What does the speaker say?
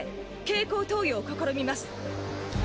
経口投与を試みます。